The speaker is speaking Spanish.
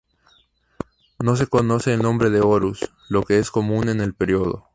No se conoce el nombre de Horus, lo que es común en el período.